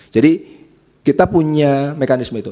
jadi kita punya mekanisme itu